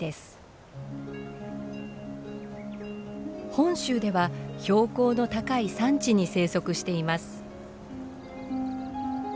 本州では標高の高い山地に生息しています。